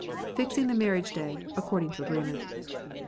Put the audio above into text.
Fixing the marriage day, .. According to agreement.